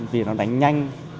vì nó đánh nhanh